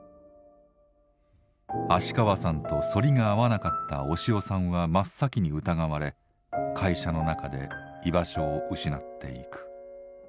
芦川さんとそりが合わなかった押尾さんは真っ先に疑われ会社の中で居場所を失っていく。